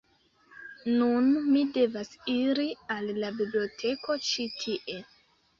Nun, mi devas iri al la biblioteko ĉi tie